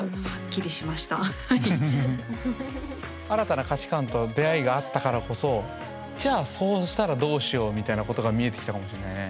新たな価値観と出会いがあったからこそじゃあそうしたらどうしようみたいなことが見えてきたかもしれないね。